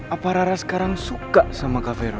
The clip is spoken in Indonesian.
apa rara sekarang suka sama kak vero